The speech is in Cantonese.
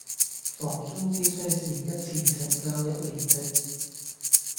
房租必須是一次性交一年的